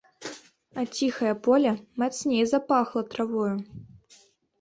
А ціхае поле мацней запахла травою.